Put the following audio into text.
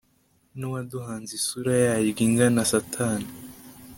N uwaduhanze Isura yaryo ingana Satani